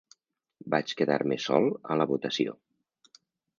Vaig quedar-me sol a la votació.